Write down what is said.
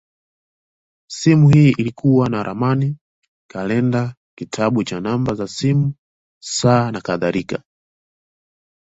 Simu hii ilikuwa na ramani, kalenda, kitabu cha namba za simu, saa, nakadhalika.